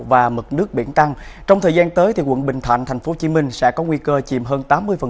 và mực nước biển tăng trong thời gian tới quận bình thạnh tp hcm sẽ có nguy cơ chìm hơn tám mươi